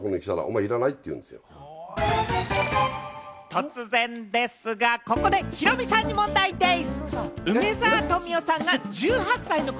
突然ですが、ここでヒロミさんに問題でぃす！